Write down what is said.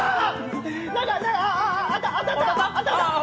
当たった！